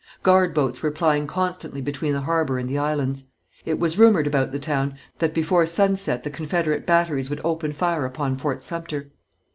Guard boats were plying constantly between the harbor and the islands. It was rumored about the town that before sunset the Confederate batteries would open fire upon Fort Sumter.